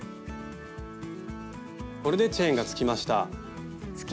これでチェーンがつきました。